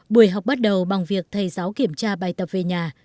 buổi học bắt đầu bằng việc thầy giáo kiểm tra bài tập về nhà